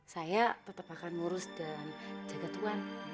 saya tetap akan ngurus dan jaga tuhan